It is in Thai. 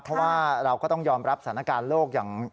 เพราะว่าเราก็ต้องยอมรับสถานการณ์โลกอย่าง